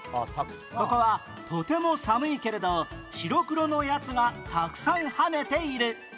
ここは「とても寒いけれど白黒のやつがたくさん跳ねている」